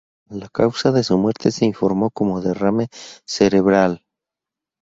La causa de su muerte se informó como derrame cerebral.